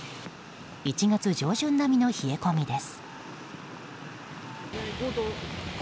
１月上旬並みの冷え込みです。